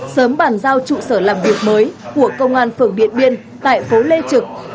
sớm bàn giao trụ sở làm việc mới của công an phường điện biên tại phố lê trực